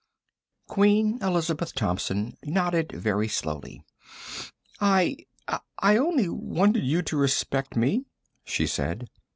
Queen Elizabeth Thompson nodded very slowly. "I ... I only wanted you to respect me," she said.